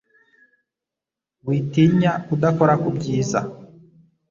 Witinya kudakora ku byiza;